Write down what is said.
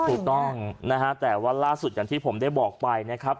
ถูกต้องแต่วันล่าสุดที่ผมได้บอกไปนะครับ